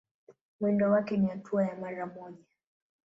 Mwendo wake ni hatua ya mraba mmoja.